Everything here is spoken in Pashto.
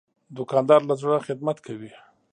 دوکاندار له زړه خدمت کوي.